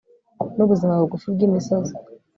n'ubuzima bugufi bwimisozi